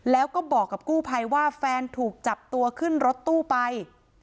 แล้วก็บอกกับกู้ภัยว่าแฟนถูกจับตัวขึ้นรถตู้ไป